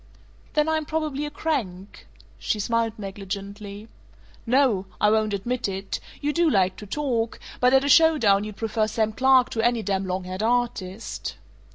"Then I'm probably a crank." She smiled negligently. "No. I won't admit it. You do like to talk, but at a show down you'd prefer Sam Clark to any damn long haired artist."